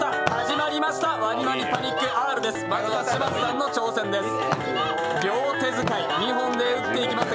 まずは嶋佐さんの挑戦です。